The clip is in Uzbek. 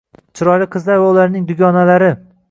Chiroyli qizlar va ularning dugonalari...